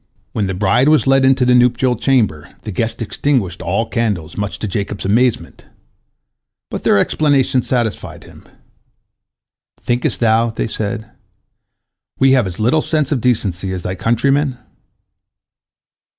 When the bride was led into the nuptial chamber, the guests extinguished all the candles, much to Jacob's amazement. But their explanation satisfied him. "Thinkest thou," they said, "we have as little sense of decency as thy countrymen?"